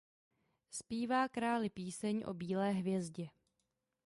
Zpívá králi píseň o bílé hvězdě.